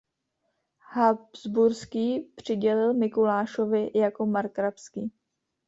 Habsburský přidělil Mikulášovi jako markrabství.